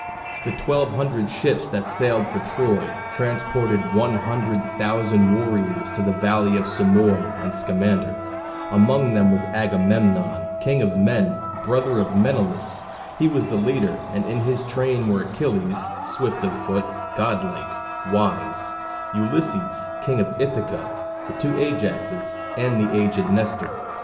The twelve hundred ships that sailed for Troy transported one hundred thousand warriors to the valley of Simois and Scamander. Among them was Agamemnon, "king of men," brother of Menelaus. He was the leader, and in his train were Achilles, "swift of foot"; "god like, wise" Ulysses, King of Ithaca, the two Ajaxes, and the aged Nestor.